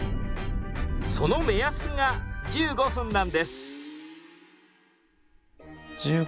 その目安が１５分なんです。